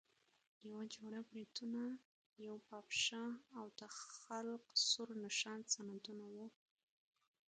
یوه جوړه بریتونه، یوه پاپشه او د خلق سور نښان سندونه وو.